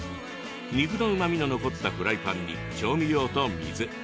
肉のうまみの残ったフライパンに調味料と水。